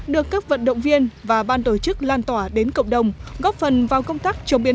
được các vận động viên và ban tổ chức lan tỏa đến cộng đồng góp phần vào công tác chống biến